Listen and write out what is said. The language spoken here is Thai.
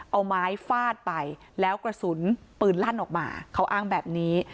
เอาไม้ฟาดไปแล้วกระสุนปืนลั่นออกมาเขาอ้างแบบนี้